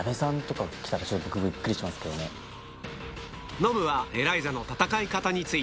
ノブはエライザの戦い方についてあの子ね。